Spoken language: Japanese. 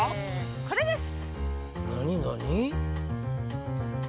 これです。